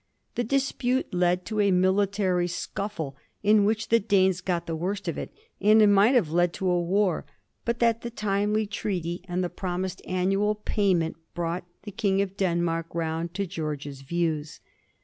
The dispute led to a military scuffle, in which the Danes got the worst of it, and it might have led to a war but that the timely treaty and the promised annual 1739. WALPOLE HAS IT HIS OWN WAY. 177 payment brought the King of Denmark round to George's views.